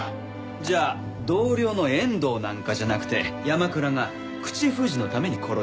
じゃあ同僚の遠藤なんかじゃなくて山倉が口封じのために殺した。